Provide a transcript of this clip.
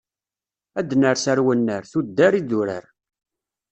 Ad d-ners ar wannar, tuddar idurar.